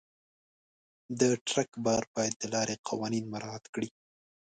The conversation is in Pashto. د ټرک بار باید د لارې قوانین مراعت کړي.